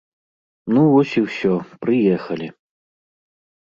Ну, вось і ўсё, прыехалі.